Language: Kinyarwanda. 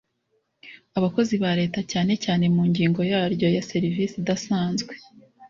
abakozi ba leta cyane cyane mu ngingo yaryo ya serivise idasanzwe